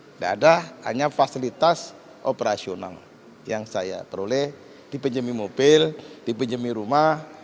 tidak ada hanya fasilitas operasional yang saya peroleh dipinjemi mobil dipinjami rumah